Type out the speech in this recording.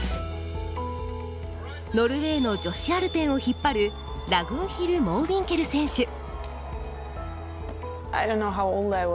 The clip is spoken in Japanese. ノルウェーの女子アルペンを引っ張るラグンヒル・モービンケル選手。